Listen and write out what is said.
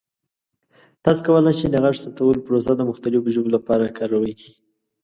تاسو کولی شئ د غږ ثبتولو پروسه د مختلفو ژبو لپاره کاروئ.